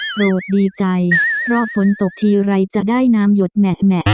ดีใจเพราะฝนตกทีไรจะได้น้ำหยดแหมะ